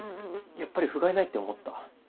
やっぱりふがいないって思った？